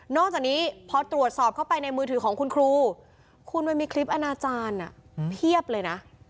จากนี้พอตรวจสอบเข้าไปในมือถือของคุณครูคุณมันมีคลิปอนาจารย์เพียบเลยนะ